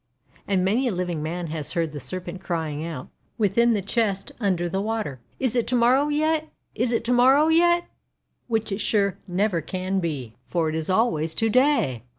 And many a living man has heard the Serpent crying out, within the chest under the water: 'Is it to morrow yet? Is it to morrow yet?' Which it sure never can be, for it is always to day.